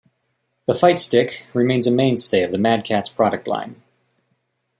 The FightStick remains a mainstay of the Mad Catz product line.